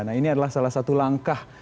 nah ini adalah salah satu langkah